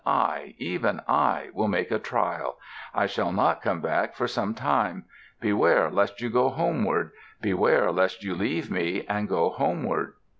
"I, even I, will make a trial. I shall not come back for some time. Beware lest you go homeward. Beware lest you leave me and go homeward."